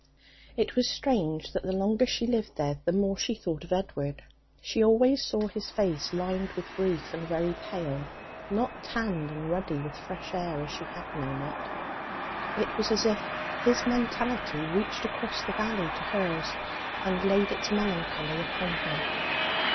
It was strange that the longer she lived there the more she thought of Edward. She always saw his face lined with grief and very pale, not tanned and ruddy with fresh air as she had known it. It was as if his mentality reached across the valley to hers and laid its melancholy upon her.